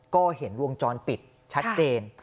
ก็เห็นวงจรปิดชัดเจน